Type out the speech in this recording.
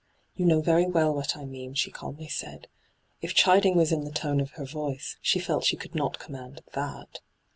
' You know very well what I mean,' she calmly said. If chiding was in the tone of her voice, she felt she could not command that.